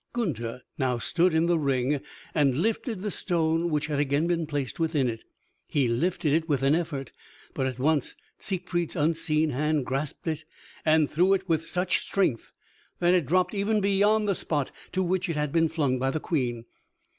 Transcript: Gunther now stood in the ring, and lifted the stone which had again been placed within it. He lifted it with an effort, but at once Siegfried's unseen hand grasped it and threw it with such strength that it dropped even beyond the spot to which it had been flung by the Queen.